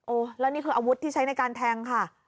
แล้วนี่คืออาวุธที่ใช้ในการแทงค่ะ